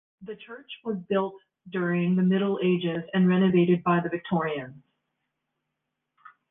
The church was built during the Middle Ages and renovated by the Victorians.